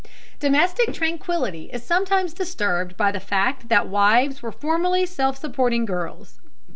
Domestic tranquillity is sometimes disturbed by the fact that wives were formerly self supporting girls.